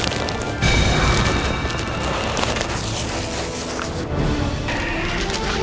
udah liat dulu ya